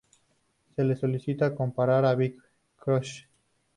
Se le solía comparar a Bing Crosby.